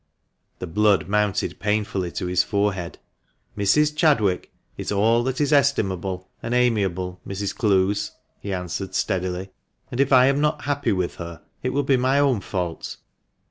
The blood mounted painfully to his forehead. " Miss Chadwick is all that is estimable and amiable, Mrs. Clowes," he answered steadily, "and if I am not happy with her it will be my own fault."